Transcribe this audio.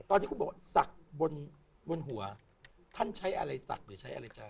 ตอนที่คุณบอกสักบนหัวท่านใช้อะไรสักหรือใช้อะไรจ้าง